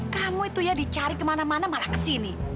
kamu itu ya dicari kemana mana malah kesini